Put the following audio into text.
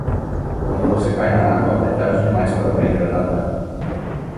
Quando você cai na água, é tarde demais para aprender a nadar.